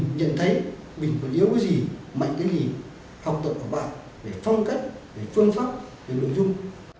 để phong cách để phương pháp để lưu dung